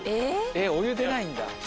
えっお湯出ないんだ？